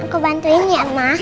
aku bantuin ya emak